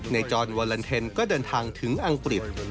จอนวาลันเทนก็เดินทางถึงอังกฤษ